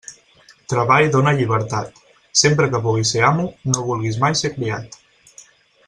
Treball dóna llibertat; sempre que puguis ser amo, no vulguis mai ser criat.